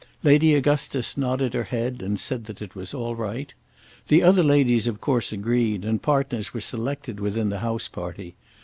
Lady Augustus nodded her head and said that it was all right. The other ladies of course agreed, and partners were selected within the house party.